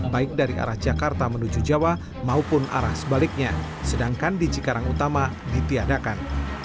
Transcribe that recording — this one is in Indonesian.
baik dari arah jakarta menuju jawa maupun arah sebaliknya sedangkan di cikarang utama ditiadakan